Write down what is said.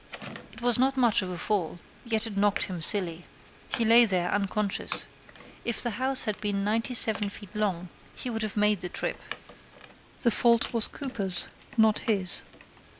It was not much of a fall, yet it knocked him silly. He lay there unconscious. If the house had been ninety seven feet long he would have made the trip. The fault was Cooper's, not his.